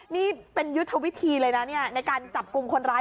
นี่เป็นยุทธวิธีเลยนะในการจับกลุ่มคนร้าย